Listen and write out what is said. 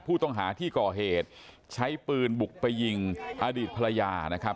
ผู้ต้องหาที่ก่อเหตุใช้ปืนบุกไปยิงอดีตภรรยานะครับ